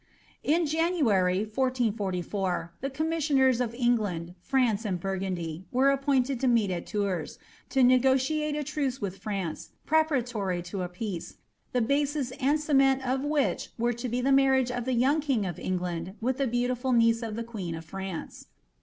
In January, 1444, the commissioners of England, France, and Bur fundy, were appointed to meet at Tours, to negotiate a truce with Fimnce, preparatory to a peace, the basis and cement of which were to be the marriage of the young king of England with the beautiful niece of the queen of France.